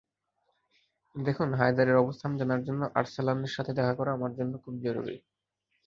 দেখুন, হায়দারের অবস্থান জানার জন্য আর্সলানের সাথে দেখা করা আমার জন্য খুব জরুরী।